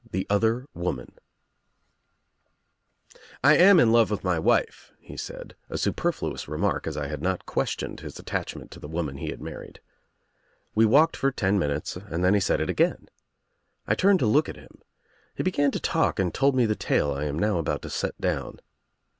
THE OTHER WOMAN i ¥ AM in love with my wife," he said — a super flous remark, as I had not questioned his attach ' ment to the woman he had married. We walked for ten minutes and then he said it again. I turned to look at him. He began to talk and told me the tale I am now about to set down.